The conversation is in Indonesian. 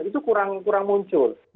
itu kurang muncul